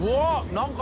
何か。